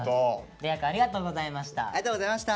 嶺亜くんありがとうございました。